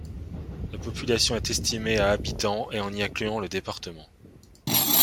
La population est estimée à habitants et en y incluant le département.